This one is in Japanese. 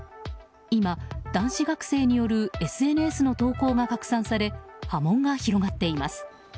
今、男子学生によるＳＮＳの投稿が拡散され波紋が広がっています。